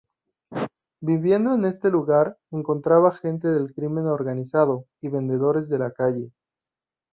Viviendo en este lugar, encontraba gente del crimen organizado y vendedores de la calle.